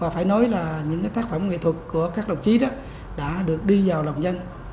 phải nói là những tác phẩm nghệ thuật của các đồng chí đó đã được đi vào lòng dân